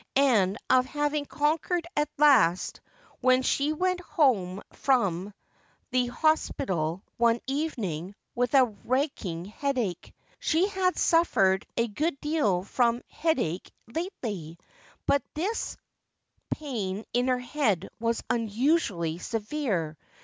and of having conquered at last, when she went home from the hos pital one evening with a racking headache. She had svorered a good deal from headache lately, but this vain in her heal was unusually severe.